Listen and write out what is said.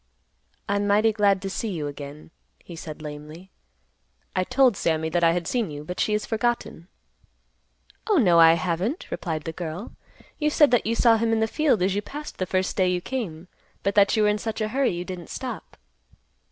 "I'm mighty glad to see you again," he said lamely. "I told Sammy that I had seen you, but she has forgotten." "Oh, no, I haven't," replied the girl. "You said that you saw him in the field as you passed the first day you came, but that you were in such a hurry you didn't stop."